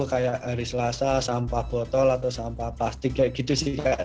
kayak hari selasa sampah botol atau sampah plastik kayak gitu sih kak